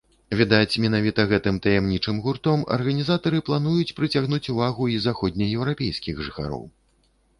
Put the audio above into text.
Відаць, менавіта гэтым таямнічым гуртом арганізатары плануюць прыцягнуць увагу і заходнееўрапейскіх жыхароў.